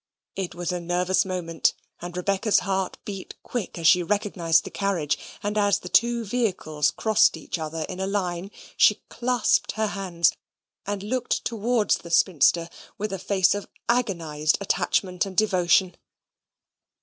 It was a nervous moment, and Rebecca's heart beat quick as she recognized the carriage; and as the two vehicles crossed each other in a line, she clasped her hands, and looked towards the spinster with a face of agonized attachment and devotion.